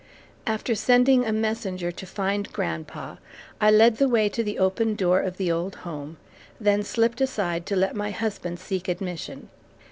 After sending a messenger to find grandpa, I led the way to the open door of the old home, then slipped aside to let my husband seek admission.